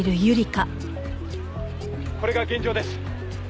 「これが現状です」